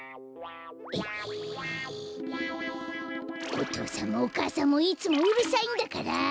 お父さんもお母さんもいつもうるさいんだから！